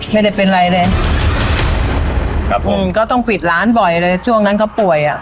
ไม่ได้เป็นอะไรเลยครับผมก็ต้องปิดร้านบ่อยเลยช่วงนั้นเขาป่วยอ่ะ